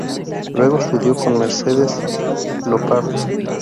Luego estudió con Mercedes Llopart.